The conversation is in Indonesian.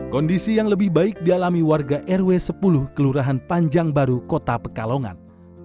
kondisi yang lebih baik dialami warga rw sepuluh kelurahan panjang baru kota pekalongan